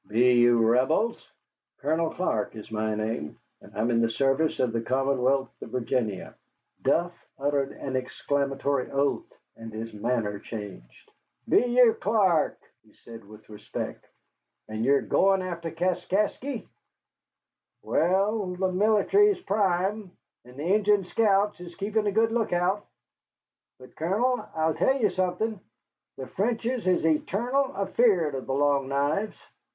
"Be you Rebels?" "Colonel Clark is my name, and I am in the service of the Commonwealth of Virginia." Duff uttered an exclamatory oath and his manner changed. "Be you Clark?" he said with respect. "And you're going after Kaskasky? Wal, the mility is prime, and the Injun scouts is keeping a good lookout. But, Colonel, I'll tell ye something: the Frenchies is etarnal afeard of the Long Knives.